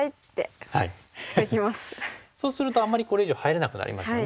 そうするとあまりこれ以上入れなくなりますよね。